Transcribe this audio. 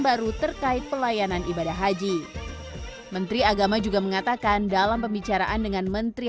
baru terkait pelayanan ibadah haji menteri agama juga mengatakan dalam pembicaraan dengan menteri